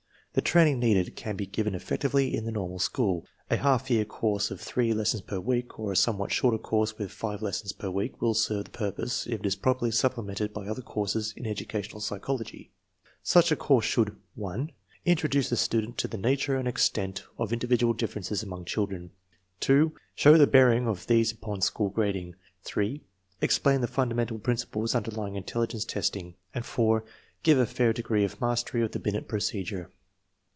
The training needed can be given effectively in the normal school. A half year course of three lessons per week, or a somewhat shorter course with five lessons per week, will serve the pur pose if it is properly supplemented by other courses in educational psychology. Such a course should (1) introduce the student to the nature and extent of individual differences among children; (2) show the bearing of these upon school grading; (3) explain the fundamental principles underlying intelligence test ing; and (4) give a fair degree of mastery of the Binet procedure.